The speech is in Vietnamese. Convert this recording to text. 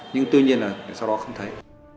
nhưng tuy nhiên là sau đó không thấy